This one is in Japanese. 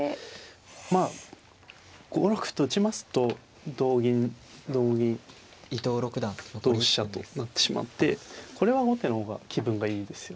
まあ５六歩と打ちますと同銀同銀同飛車となってしまってこれは後手の方が気分がいいですよね。